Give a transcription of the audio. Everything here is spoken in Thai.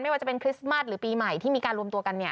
ว่าจะเป็นคริสต์มัสหรือปีใหม่ที่มีการรวมตัวกันเนี่ย